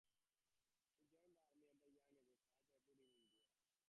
He joined the army at a young age and served abroad in India.